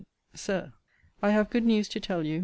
SIR, I have good news to tell you.